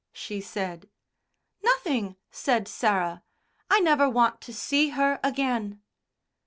she said. "Nothing," said Sarah. "I never want to see her again."